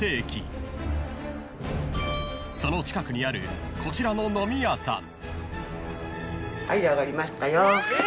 ［その近くにあるこちらの飲み屋さん］